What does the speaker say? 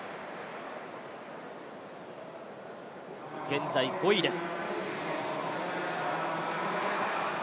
現在５位です。